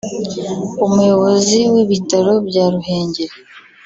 umuyobozi w’ibitaro bya Ruhengeri